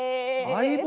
相棒？